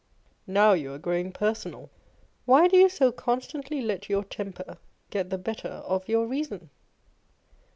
Now you are growing personal. Why do you so constantly let your temper get the better of your reason